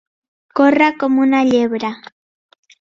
Córrer com una llebre.